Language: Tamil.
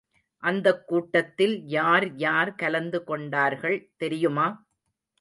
அந்தக் கூட்டத்தில் யார் யார் கலந்து கொண்டார்கள் தெரியுமா?